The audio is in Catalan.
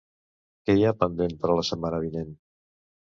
Què hi ha pendent per a la setmana vinent?